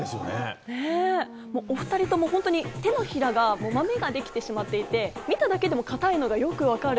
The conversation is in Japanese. お２人とも手のひらがマメができてしまっていて、見ただけでも硬いのがよくわかる。